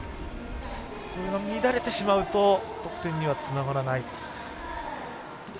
乱れてしまうと得点にはつながらない。